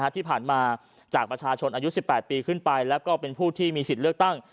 ที่ผ่านมาจากประชาชนอายุ๑๘ปีขึ้นไปแล้วก็เป็นผู้ที่มีสิทธิ์เลือกตั้ง